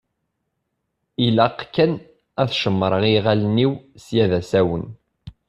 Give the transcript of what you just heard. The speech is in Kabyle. Ilaq kan ad cemṛeɣ iɣallen-iw sya d asawen.